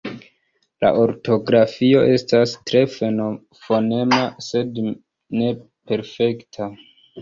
La ortografio estas tre fonema, sed ne perfekta.